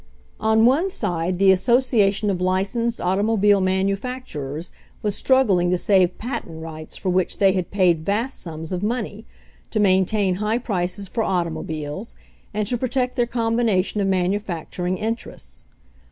On one side the Association of Licensed Auto mobile Manufacturers was struggling to save patent rights for which they had paid vast sums of money, to maintain high prices for automo biles, and to protect their combination of manu facturing 1 interests.